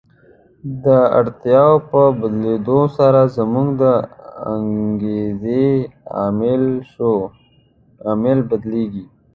د اړتیاوو په بدلېدو سره زموږ د انګېزې عامل بدلیږي.